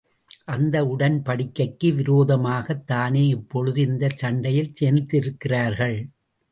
அந்த உடன்படிக்கைக்கு விரோதமாகத் தானே இப்பொழுது இந்தச் சண்டையில் சேர்ந்திருக்கிறார்கள்?